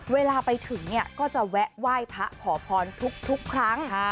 เวลาไปถึงก็จะแวะไหว้พระขอพรทุกธุกครั้ง